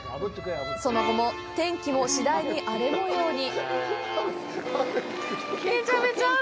その後、天気も次第に荒れ模様に。